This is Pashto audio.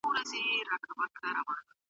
د ولسي جرګې اصلي هدف څه دی؟